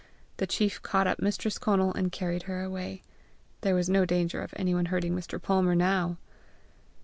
The chief caught up Mistress Conal and carried her away: there was no danger of any one hurting Mr. Palmer now!